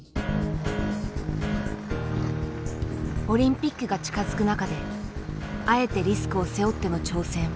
オリンピックが近づく中であえてリスクを背負っての挑戦。